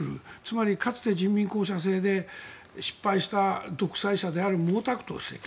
つまりかつて人民公社制で失敗した独裁者である毛沢東主席。